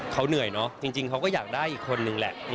เขาเหนื่อยเนอะจริงเขาก็อยากได้อีกคนนึงแหละ